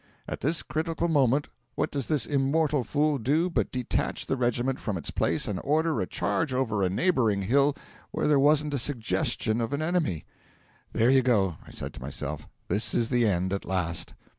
At this critical moment, what does this immortal fool do but detach the regiment from its place and order a charge over a neighbouring hill where there wasn't a suggestion of an enemy! 'There you go!' I said to myself; 'this is the end at last.'